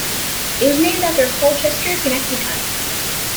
It was named after Colchester, Connecticut.